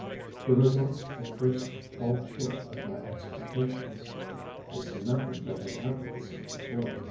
The results at first fall far short of my expectations. I see nothing that I have not seen before.